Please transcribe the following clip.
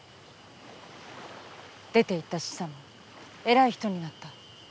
出て行ったシサム偉い人になった。